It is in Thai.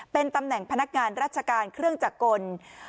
เป็นตำแหน่งพนักงานราชการเครื่องจักรกล